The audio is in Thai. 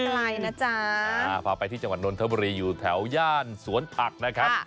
ไกลนะจ๊ะพาไปที่จังหวัดนนทบุรีอยู่แถวย่านสวนผักนะครับ